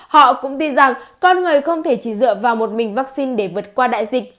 họ cũng tin rằng con người không thể chỉ dựa vào một mình vaccine để vượt qua đại dịch